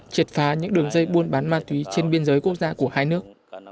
triệt phá những đường dây buôn bán ma túy trên biên giới quốc gia của hai nước